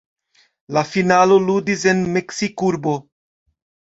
La finalo ludis en Meksikurbo.